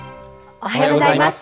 おはようございます。